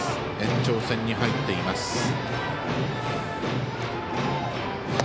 延長戦に入っています。